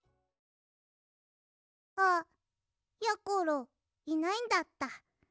あやころいないんだった。